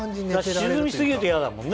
沈み過ぎると嫌だもんね？